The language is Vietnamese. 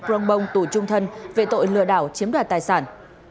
cronbong tù trung thân về tội lừa đảo chiếm đoạt tài sản